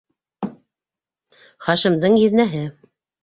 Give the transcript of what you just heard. Хашимдың еҙнәһе.